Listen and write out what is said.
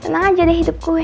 tenang aja deh hidup gue